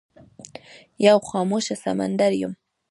یو خاموشه سمندر یم